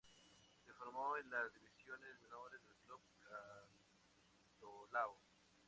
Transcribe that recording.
Se formo en las divisiones menores del club Cantolao.